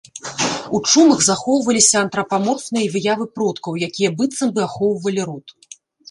У чумах захоўваліся антрапаморфныя выявы продкаў, якія быццам бы ахоўвалі род.